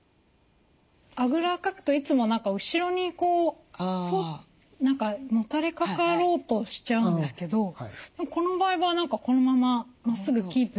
あぐらをかくといつも何か後ろにこう何かもたれかかろうとしちゃうんですけどこの場合は何かこのまままっすぐキープできてる感じがします。